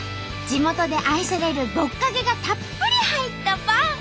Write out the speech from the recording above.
地元で愛されるぼっかけがたっぷり入ったパン！